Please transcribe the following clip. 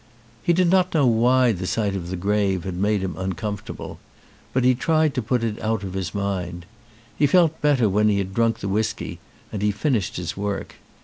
He did not know why the sight of the grave had made him uncomfortable. But he tried to put it out of his mind. He felt better when he had drunk the whisky, and he finished his work.